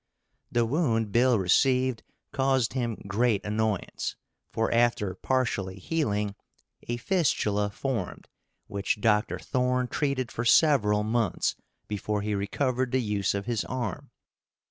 The wound Bill received caused him great annoyance, for after partially healing, a fistula formed, which Dr. Thorne treated for several months before he recovered the use of his arm.